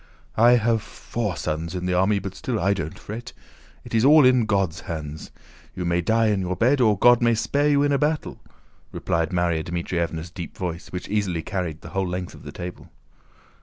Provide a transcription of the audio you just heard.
"I have four sons in the army but still I don't fret. It is all in God's hands. You may die in your bed or God may spare you in a battle," replied Márya Dmítrievna's deep voice, which easily carried the whole length of the table.